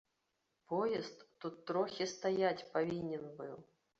Поезд тут трохі стаяць павінен быў.